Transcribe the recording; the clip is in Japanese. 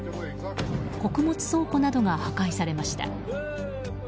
穀物倉庫などが破壊されました。